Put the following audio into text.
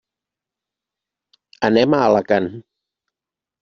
Anem a Alacant.